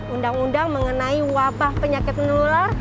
undang undang mengenai wabah penyakit menular